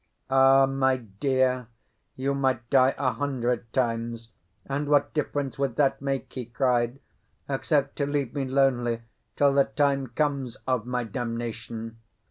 "Ah, my dear! you might die a hundred times, and what difference would that make?" he cried, "except to leave me lonely till the time comes of my damnation?"